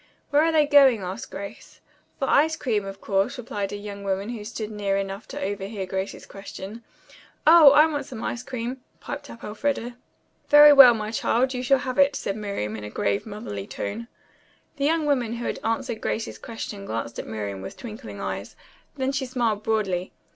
"Where are they going?" asked Grace. "For ice cream, of course," replied a young woman who stood near enough to overhear Grace's question. "Oh, I want some ice cream," piped up Elfreda. "Very well, my child, you shall have it," said Miriam in a grave, motherly tone. The young woman who had answered Grace's question glanced at Miriam with twinkling eyes. Then she smiled broadly.